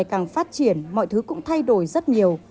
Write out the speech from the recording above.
càng phát triển mọi thứ cũng thay đổi rất nhiều